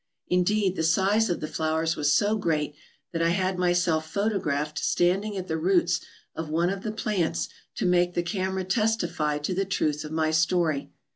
Indeed, the size of the flowers was so great that I had myself photographed standing at the roots of one of the plants to make the camera testify to the truth of my story.